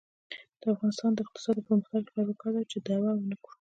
د افغانستان د اقتصادي پرمختګ لپاره پکار ده چې دعوه ونکړو.